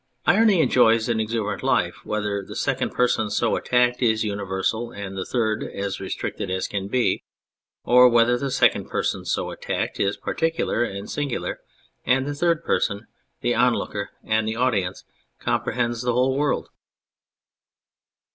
Irony enjoys an exuberant life, whether the second person so attacked is universal and the third as restricted as can be ; or whether the second person so attacked is particular and singular, and the third person, the onlooker and the audience, comprehends the whole world.